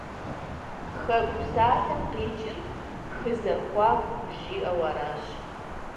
«Хэку» псалъэм къикӀыр «хы зэхуаку» жиӀэу аращ.